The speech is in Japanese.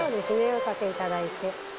お掛けいただいて。